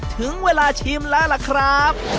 ถึงเวลาชิมแล้วล่ะครับ